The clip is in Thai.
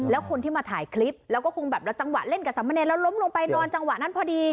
แล้วคนที่มาถ่ายคลิปแล้วก็คงแบบแล้วจังหวะเล่นกับสามเณรแล้วล้มลงไปนอนจังหวะนั้นพอดี